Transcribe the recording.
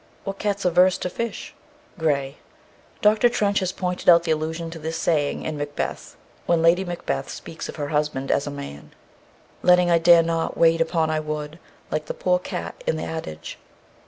"What cat's averse to fish?" GRAY. Dr. Trench has pointed out the allusion to this saying in Macbeth, when Lady Macbeth speaks of her husband as a man, "Letting I dare not, wait upon I would, Like the poor cat i' the adage."